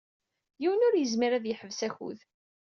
Yiwen ur yezmir ad yeḥbes akud.